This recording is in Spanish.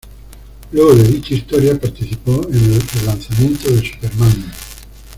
Luego de dicha historia, participó en el relanzamiento de Superman.